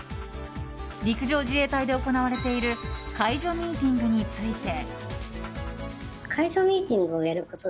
陸上自衛隊で行われている解除ミーティングについて。